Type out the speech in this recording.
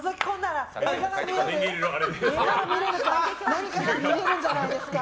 何かが見れるんじゃないですか。